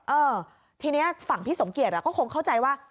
เออทีนี้ฝั่งพี่สมเกียจก็คงเข้าใจว่า